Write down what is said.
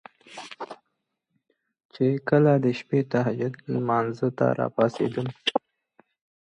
چې کله د شپې تهجد لمانځه ته را پاڅيدل